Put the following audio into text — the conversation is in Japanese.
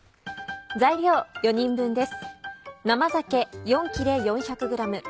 材料４人分です。